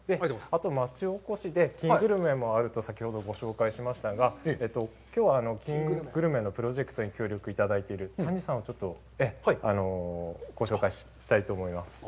あと、町おこしで金グルメもあると先ほどご紹介しましたが、きょうは金グルメのプロジェクトに協力いただいている丹治さんをちょっとご紹介したいと思います。